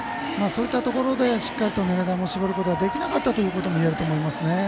そういったところでしっかりと狙い球を絞ることができなかったということもいえると思いますね。